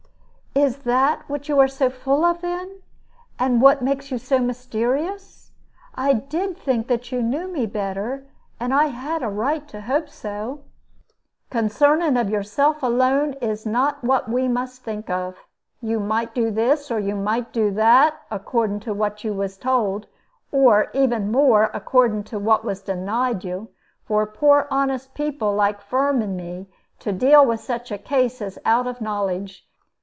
"Is that what you are full of, then, and what makes you so mysterious? I did think that you knew me better, and I had a right to hope so." "Concerning of yourself alone is not what we must think of. You might do this, or you might do that, according to what you was told, or, even more, according to what was denied you. For poor honest people, like Firm and me, to deal with such a case is out of knowledge.